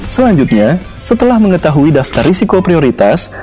selanjutnya setelah mengetahui dasar risiko prioritas